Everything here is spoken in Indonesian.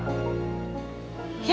kita harus berusaha untuk nino pa